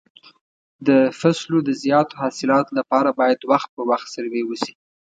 د فصلو د زیاتو حاصلاتو لپاره باید وخت پر وخت سروې وشي.